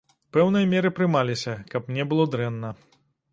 Пэўныя меры прымаліся, каб мне было дрэнна.